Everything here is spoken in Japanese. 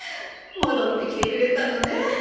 戻ってきてくれたのね。